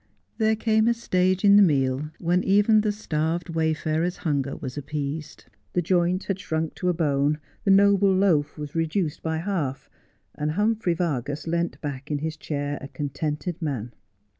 There came a stage in the meal when even the starved way farer's hunger was appeased. The joint had shrunk to a bone, the noble loaf was reduced by half, and Humphrey Vargas leant back in his chair a contented man.